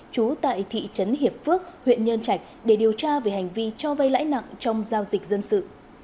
trú tại thị trấn hiệp phước huyện nhân trạch để điều tra về hành vi cho vay lãi nặng trong giao dịch dân sự